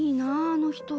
あの人。